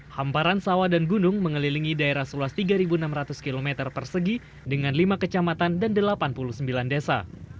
hamparan sawah dan gunung mengelilingi daerah seluas tiga enam ratus km persegi dengan lima kecamatan dan delapan puluh sembilan desa